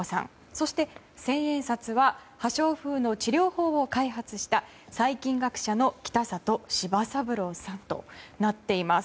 そして千円札は破傷風の治療法を開発した細菌学者の北里柴三郎さんとなっています。